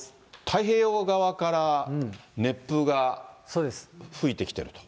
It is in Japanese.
太平洋側から熱風が吹いてきてると。